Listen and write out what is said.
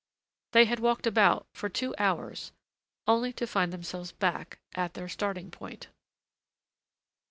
They had walked about for two hours, only to find themselves back at their starting point.